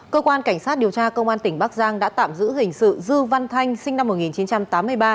cơ quan cảnh sát điều tra công an tỉnh bắc giang đã tạm giữ hình sự dư văn thanh sinh năm một nghìn chín trăm tám mươi ba